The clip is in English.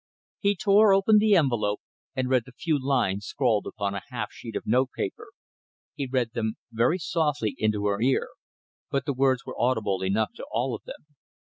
He tore open the envelope and read the few lines scrawled upon a half sheet of notepaper. He read them very softly into her ear, but the words were audible enough to all of them.